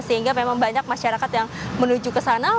sehingga memang banyak masyarakat yang menuju ke sana